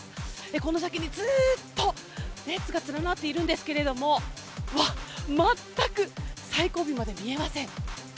この先にずっと列が連なっているんですけれども、うわっ、全く最後尾まで見えません。